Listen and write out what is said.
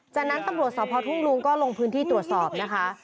จากนั้นตำรวจสพทุ่งลุงก็ลงพื้นที่ตรวจสอบนะคะ